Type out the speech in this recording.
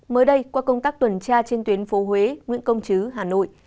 mới đây qua công tác tuần tra trên tuyến phố huế nguyễn công chứ hà nội